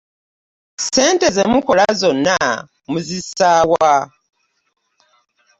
Ssente ze mukola zonna muzissa wa?